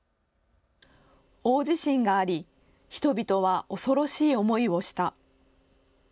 大地震があり、人々は恐ろしい思いをした。